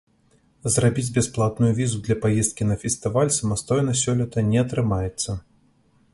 Зрабіць бясплатную візу для паездкі на фестываль самастойна сёлета не атрымаецца.